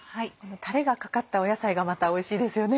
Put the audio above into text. タレがかかった野菜がまたおいしいですよね。